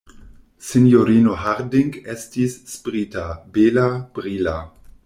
Sinjorino Harding estis sprita, bela, brila.